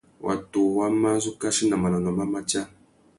Watu wá má zu kachi nà manônôh má matia.